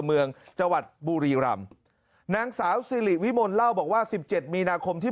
เมืองจังหวัดบุรีรำนางสาวซีรีส์วิบลเล่าบอกว่า๑๗มีนาคมที่